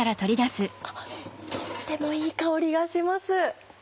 とってもいい香りがします！